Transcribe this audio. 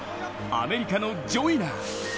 アメリカのジョイナー。